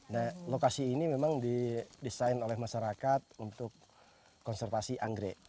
nah lokasi ini memang didesain oleh masyarakat untuk konservasi anggrek